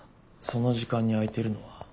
その時間に空いてるのは。